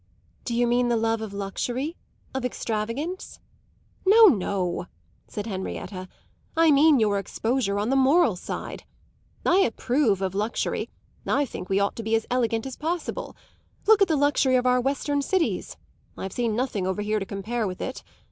"Do you mean the love of luxury of extravagance?" "No, no," said Henrietta; "I mean your exposure on the moral side. I approve of luxury; I think we ought to be as elegant as possible. Look at the luxury of our western cities; I've seen nothing over here to compare with it.